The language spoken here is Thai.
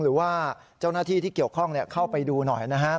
หรือว่าเจ้าหน้าที่ที่เกี่ยวข้องเข้าไปดูหน่อยนะครับ